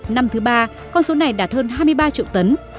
năm thứ ba con số này đạt hơn hai mươi ba triệu tấn